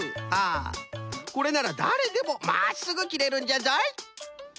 これならだれでもまっすぐ切れるんじゃぞい。